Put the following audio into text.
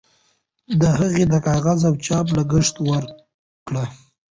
هغې د کاغذ او چاپ لګښت ورکړ.